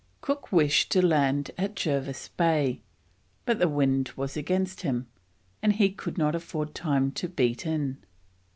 Cook wished to land at Jervis Bay, but the wind was against him, and he could not afford time to beat in.